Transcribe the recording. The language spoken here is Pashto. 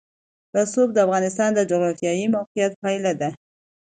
رسوب د افغانستان د جغرافیایي موقیعت پایله ده.